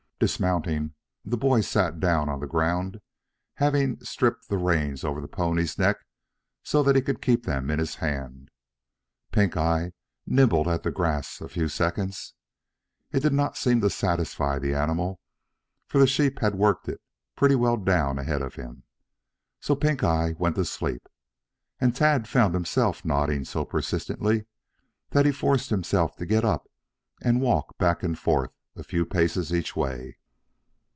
Dismounting, the boy sat down on the ground, having stripped the reins over the pony's neck so that he could keep them in his hand. Pinkeye nibbled at the grass a few seconds. It did not seem to satisfy the animal, for the sheep had worked it pretty well down ahead of him. So Pink eye went to sleep, and Tad found himself nodding so persistently that he forced himself to get up and walk back and forth a few paces each way.